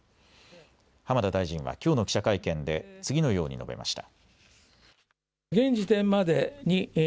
浜田大臣はきょうの記者会見で次のように述べました。